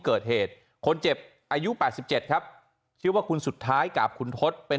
เกิดเหตุคนเจ็บอายุ๘๗ครับชื่อว่าคุณสุดท้ายกับคุณทศเป็น